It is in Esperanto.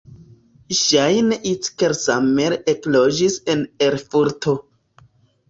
Ŝajne Ickelsamer ekloĝis en Erfurto.